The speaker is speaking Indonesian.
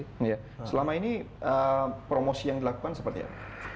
selama ini promosi yang dilakukan seperti apa